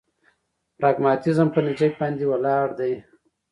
پراګماتيزم په نتيجه باندې ولاړ دی.